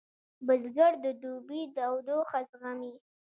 بزګر د دوبي تودوخه زغمي